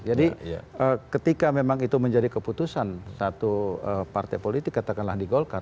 jadi ketika memang itu menjadi keputusan satu partai politik katakanlah di golka